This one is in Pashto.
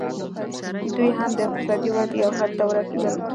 دوی هم د اقتصادي ودې یو حد ته ورسېدل